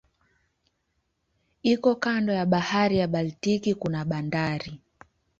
Iko kando ya bahari ya Baltiki kuna bandari.